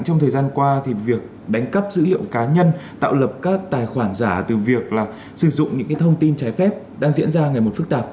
trong thời gian qua việc đánh cắp dữ liệu cá nhân tạo lập các tài khoản giả từ việc sử dụng những thông tin trái phép đang diễn ra ngày một phức tạp